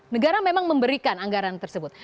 negara memang memberikan anggaran tersebut